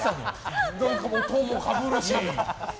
音もかぶるし。